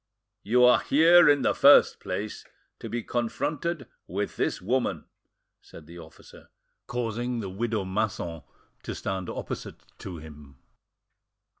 "You are here, in the first place, to be confronted with this woman," said the officer, causing the widow Masson to stand opposite to him.